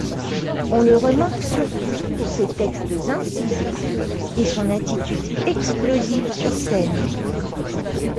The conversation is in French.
On le remarque surtout pour ses textes incisifs et son attitude explosive sur scène.